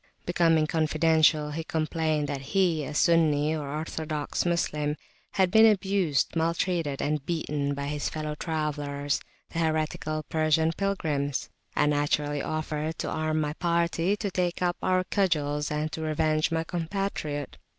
Becoming confidential, he complained that he, a Sunni, or orthodox Moslem, had been abused, maltreated, and beaten by his fellow travellers, the heretical Persian pilgrims. I naturally offered to arm my party, to take up our cudgels, and to revenge my compatriot.